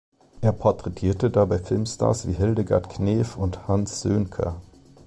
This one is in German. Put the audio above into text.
Er porträtierte dabei Filmstars wie Hildegard Knef und Hans Söhnker.